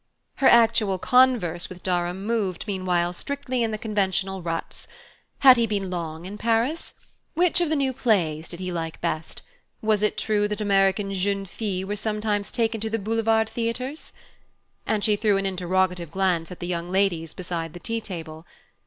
Her actual converse with Durham moved, meanwhile, strictly in the conventional ruts: had he been long in Paris, which of the new plays did he like best, was it true that American jeunes filles were sometimes taken to the Boulevard theatres? And she threw an interrogative glance at the young ladies beside the tea table.